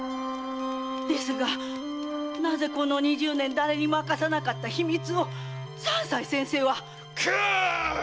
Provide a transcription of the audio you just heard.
なぜこの二十年誰にも明かさなかった秘密を三斎先生は⁉喝‼